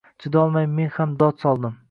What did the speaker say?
Chidolmay men ham dod soldim